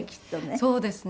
そうですね。